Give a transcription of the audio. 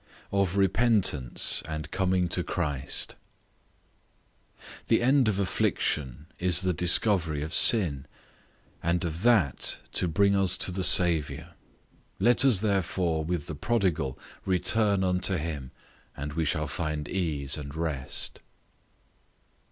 OF REPENTANCE AND COMING TO CHRIST. The end of affliction is the discovery of sin; and of that to bring us to the Saviour; let us therefore, with the prodigal, return unto him, and we shall find ease and rest.